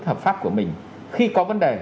hợp pháp của mình khi có vấn đề